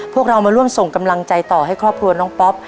พวกเรามาร่วมส่งกำลังใจต่อให้ครอบครัวน้องป๊อป